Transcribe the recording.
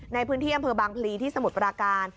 ในพื้นที่อำเภอบางพลีที่สมุทรปราการ